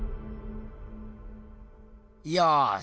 よし。